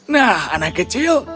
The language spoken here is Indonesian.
nah anak kecil